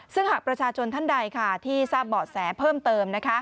ซึ่งหากประชาชนท่านใดที่ทราบเบาะแสเพิ่มเติม